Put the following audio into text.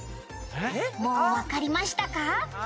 「もうわかりましたか？」